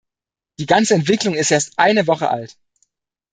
Die ganze Entwicklung ist erst eine Woche alt.